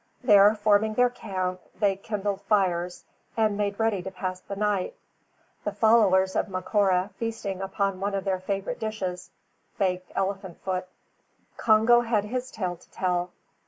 There forming their camp, they kindled fires, and made ready to pass the night, the followers of Macora feasting upon one of their favourite dishes, baked elephant's foot. Congo had still his tale to tell.